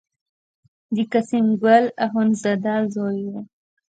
د قسیم ګل اخوندزاده زوی و.